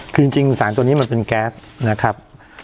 คือจริงสารตัวนี้มันเป็นแก๊สนะครับ